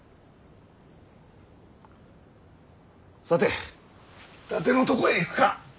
さて伊達のとこへ行くか。